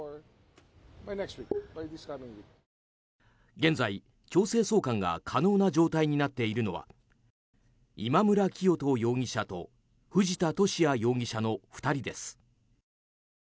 現在、強制送還が可能な状態になっているのは今村磨人容疑者と藤田聖也容疑者の２人です。